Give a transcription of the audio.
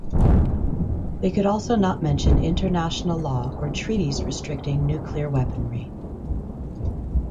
They could also not mention international law or treaties restricting nuclear weaponry.